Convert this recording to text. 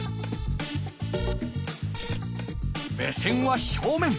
目線は正面。